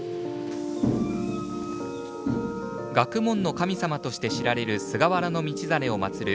学問の神様として知られる菅原道真をまつる